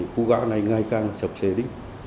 khu gác này ngày càng sập xế đi